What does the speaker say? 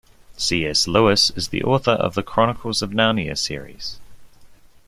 C.S. Lewis is the author of The Chronicles of Narnia series.